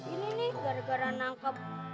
ini nih gara gara nangkep